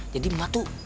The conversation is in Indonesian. jadi emak tuh